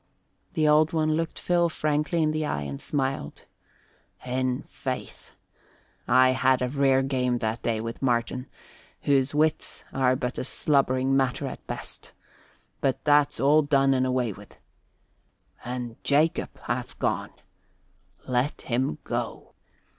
The Old One looked Phil frankly in the eye and smiled. "In faith, I had a rare game that day with Martin, whose wits are but a slubbering matter at best. But that's all done and away with. And Jacob hath gone! Let him go.